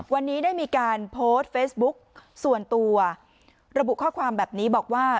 วันนี้ได้มีการโพสต์เฟซบุ๊กส่วนตัวระบุข้อความแบบนี้บอกว่า